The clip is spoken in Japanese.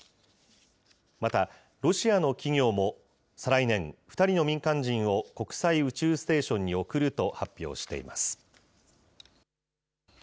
また、ロシアの企業も再来年、２人の民間人を国際宇宙ステーションに送ると発表しています。